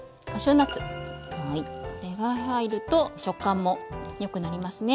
これが入ると食感もよくなりますね。